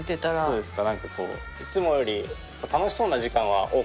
そうですか？